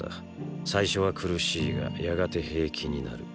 最初は苦しいがやがて平気になる。